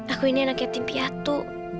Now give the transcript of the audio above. aku ini anak yatim piatu